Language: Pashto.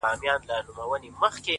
د ستن او تار خبري ډيري شې دي-